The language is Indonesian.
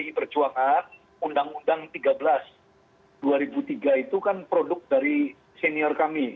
pdi perjuangan undang undang tiga belas dua ribu tiga itu kan produk dari senior kami